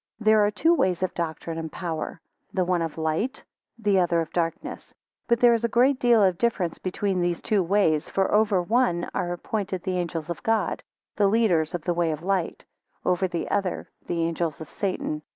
There are two ways of doctrine and power; the one of light, the other of darkness. 4 But there is a great deal of difference between these two ways for over one are appointed the angels of God, the leaders of the way of light; over the other, the angels of Satan.